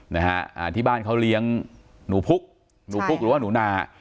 นะฮะอ่าที่บ้านเขาเลี้ยงหนูพุกหนูพุกหรือว่าหนูนา